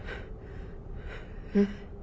えっ？